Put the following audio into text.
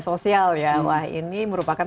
sosial ya wah ini merupakan